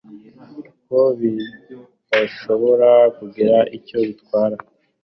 ko bidashobora kugira icyo bibatwara